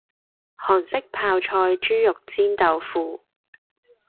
韓式泡菜豬肉煎豆腐